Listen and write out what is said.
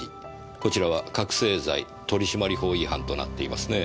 こちらは覚せい剤取締法違反となっていますね。